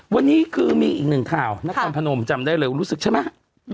วันนี้คือมีอีกหนึ่งข่าวนครพนมจำได้เร็วรู้สึกใช่ไหม